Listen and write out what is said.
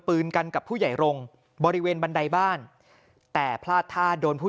ปืนกันกับผู้ใหญ่รงค์บริเวณบันไดบ้านแต่พลาดท่าโดนผู้